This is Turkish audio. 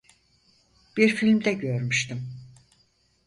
Bir filmde görmüştüm.